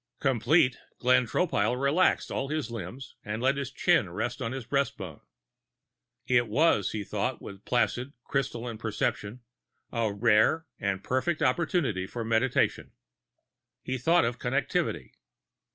Complete, Glenn Tropile relaxed all his limbs and let his chin rest on his breast bone. It was, he thought with placid, crystalline perception, a rare and perfect opportunity for meditation. He thought of Connectivity.